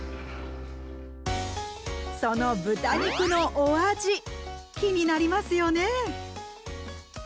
その豚肉のお味気になりますよね？